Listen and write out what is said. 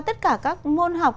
tất cả các môn học